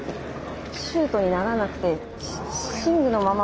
シュートにならなくてシングのまま。